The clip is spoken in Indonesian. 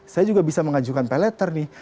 saya juga bisa mengajukan pay letter nih